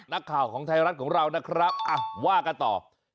นักข่าวของไทยรัฐของเรานะครับว่ากันต่อ